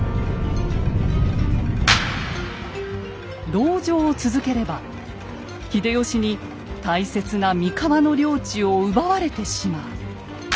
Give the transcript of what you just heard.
籠城を続ければ秀吉に大切な三河の領地を奪われてしまう。